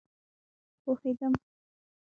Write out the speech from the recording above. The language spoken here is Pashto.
پوهیدم